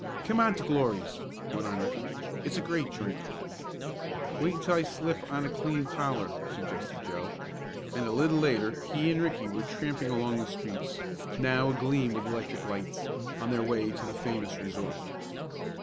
"Come on to Glory's," went on Ricky. "It's a great joint." "Wait until I slip on a clean collar," suggested Joe, and a little later he and Ricky were tramping along the streets, now agleam with electric lights, on their way to the famous resort.